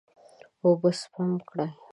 اوبه سپم کړئ.